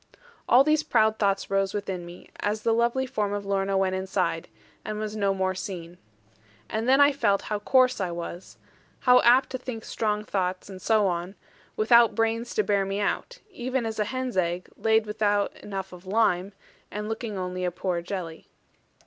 All these proud thoughts rose within me as the lovely form of Lorna went inside, and was no more seen. And then I felt how coarse I was; how apt to think strong thoughts, and so on; without brains to bear me out: even as a hen's egg, laid without enough of lime, and looking only a poor jelly.